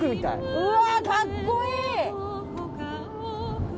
うわかっこいい！